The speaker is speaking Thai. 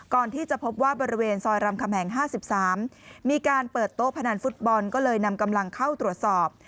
ก่อนที่จะพบว่าบริเวณซอยรำคำแหง๕๓มีการเปิดโต๊ะพนันฟุตบอลก็เลยนำกำลังเข้าตรวจสอบ